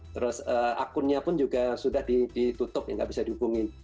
terus akunnya pun juga sudah ditutup enggak bisa dihubungin